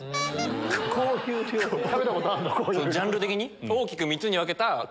ジャンル的に。